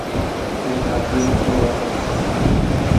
يو شاديءَ تَ وڃتو